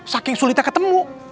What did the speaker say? saking sulitnya ketemu